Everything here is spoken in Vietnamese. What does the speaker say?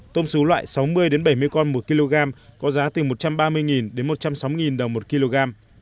tôm xú loại sáu mươi bảy mươi con một kg có giá từ một trăm ba mươi đến một trăm sáu mươi đồng một kg